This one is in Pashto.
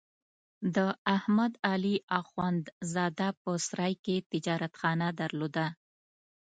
د احمد علي اخوندزاده په سرای کې تجارتخانه درلوده.